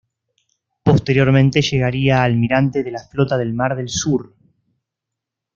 Posteriormente llegaría a almirante de la Flota del Mar del Sur.